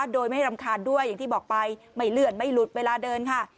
โดยไม่รำคาญด้วยอย่างที่บอกไปไม่เลื่อนไม่หลุดเวลาเดินค่ะ